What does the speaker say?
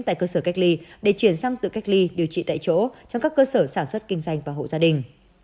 tại cơ sở cách ly để chuyển sang tự cách ly điều trị tại chỗ trong các cơ sở sản xuất kinh doanh và hộ gia đình